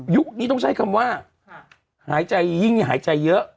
นี้ต้องใช้คำว่าหายใจยิ่งหายใจเยอะ